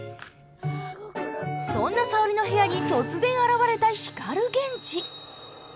そんな沙織の部屋に突然現れた光源氏。